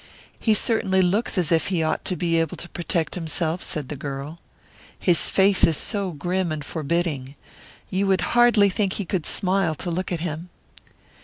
"He certainly looks as if he ought to be able to protect himself," said the girl. "His face is so grim and forbidding. You would hardly think he could smile, to look at him."